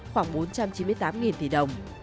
khoảng bốn trăm chín mươi tám tỷ đồng